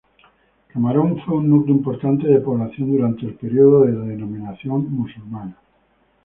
Camarón fue un núcleo importante de población durante el periodo de dominación musulmana.